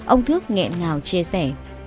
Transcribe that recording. ông thước nghẹn ngào chia sẻ